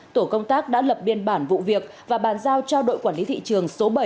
tổ công tác đã lập biên bản vụ việc và bàn giao cho đội quản lý thị trường số bảy